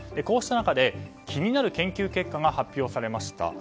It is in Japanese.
こうした中で気になる研究結果が発表されました。